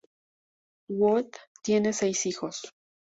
Wood tiene seis hijos.